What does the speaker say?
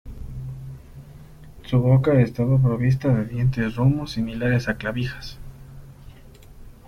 Su boca estaba provista de dientes romos, similares a clavijas.